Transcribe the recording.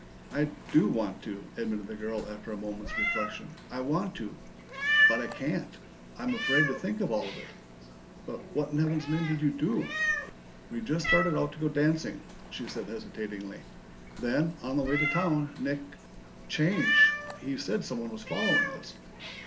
"I do want to," admitted the girl after a moment's reflection. "I want to but I can't. I'm afraid to think of all of it." "But what in Heaven's name did you do?" "We just started out to go dancing," she said hesitatingly. "Then, on the way to town, Nick changed. He said someone was following us."